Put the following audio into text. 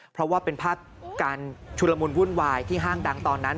เพราะว่าเป็นภาพการชุลมุนวุ่นวายที่ห้างดังตอนนั้น